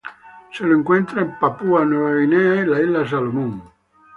Se lo encuentra en Papúa Nueva Guinea y las islas Salomón.